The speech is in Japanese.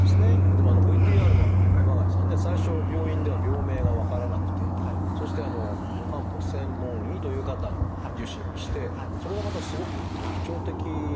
でもあのＶＴＲの熊谷さんね最初の病院では病名が分からなくてそして漢方専門医という方に受診をしてそれがまたすごく特徴的でしたね。